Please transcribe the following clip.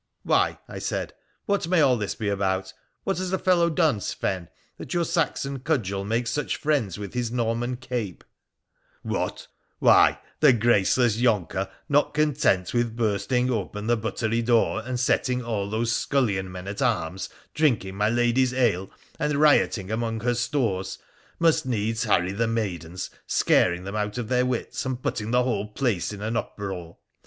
' Why,' I said, ' what may all this be about ? What has the fellow done, Sven, that your Saxon cudgel makes such friends with his Norman cape ?'' What ? Why, the graceless yonker, not content with bursting open the buttery door and setting all these scullion men at arms drinking my lady's ale and rioting among her stores, must needs harry the maidens, scaring them out of their wits, and putting the whole place in an uproar